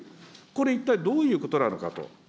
これ、一体どういうことなのかと。